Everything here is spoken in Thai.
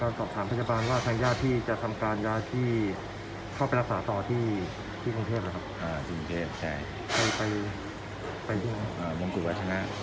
อ่ากรุงเทพฯใช่ไปไปไปที่ไหนอ่าวงกุวัชนา